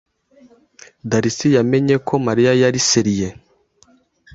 Darcy yamenye ko Mariya yari serieux.